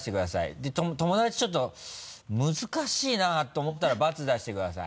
で友達ちょっと難しいなと思ったら×出してください。